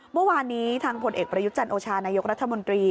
เมื่อวานนี้ทางผลเอกประยุจันทร์โอชานายกรัฐมนตรี